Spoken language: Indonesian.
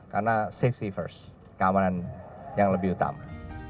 karena safety first keamanan yang lebih utama